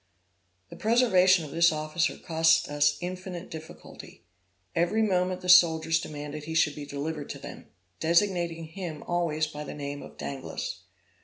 The preservation of this officer cost us infinite difficulty. Every moment the soldiers demanded he should be delivered to them, designating him always by the name of Danglas.